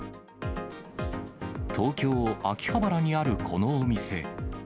東京・秋葉原にあるこのお店。